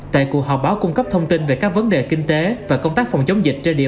tại cuộc họp báo cung cấp thông tin về các vấn đề kinh tế và công tác phòng chống dịch trên địa